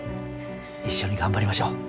一緒に頑張りましょう。